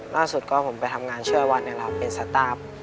ล่าสุดก็ผมไปทำงานเชื่อวัดนี่แหละครับเป็นสตาร์ฟ